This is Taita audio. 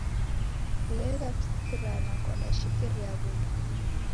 Kulegha kusikirana kwadashekeria w'uda